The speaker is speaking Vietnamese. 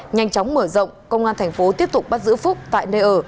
nhanh chóng mở rộng công an thành phố tiếp tục bắt giữ phúc tại nơi ở